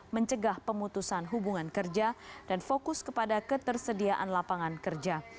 mencegah pemutusan hubungan kerja dan fokus kepada ketersediaan lapangan kerja